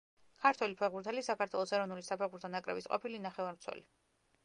ქართველი ფეხბურთელი, საქართველოს ეროვნული საფეხბურთო ნაკრების ყოფილი ნახევარმცველი.